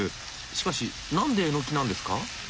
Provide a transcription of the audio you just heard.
しかし何でエノキなんですか？